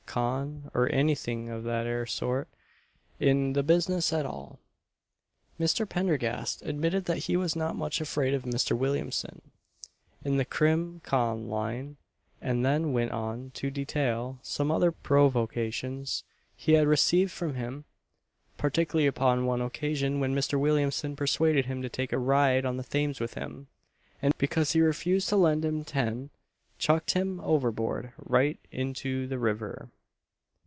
Con._, or anything of that 'ere sort, in the business at all." Mr. Pendergast admitted that he was not much afraid of Mr. Williamson "in the Crim. Con. line;" and then went on to detail some other provocations he had received from him: particularly upon one occasion, when Mr. Williamson persuaded him to take a ride on the Thames with him, and because he refused to lend him 10_l._, chucked him overboard right into the river!